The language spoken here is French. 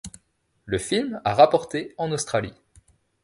Le film a rapporté en Australie.